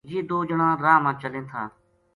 یہ دو جناں راہ ما چلیں تھا